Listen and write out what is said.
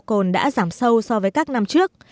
còn đã giảm sâu so với các năm trước